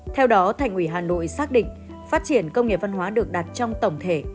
theo đó thành ủy hà nội xác định phát triển công nghiệp văn hóa được đặt trong tổng thể